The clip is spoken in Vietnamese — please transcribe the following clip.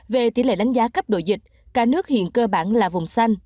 về tỷ lệ đánh giá cấp độ dịch cả nước hiện cơ bản là vùng xanh